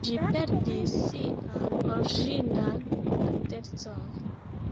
Ĝi perdis sian originan altecon.